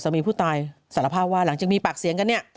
มีผู้ตายสารภาพว่าหลังจากมีปากเสียงกันเนี่ย